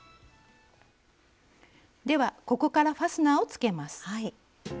ではここからファスナーをつけます。